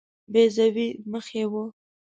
بیضوي مخ یې وو.